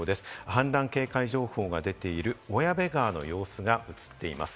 氾濫警戒情報が出ている小矢部川の様子が映っています。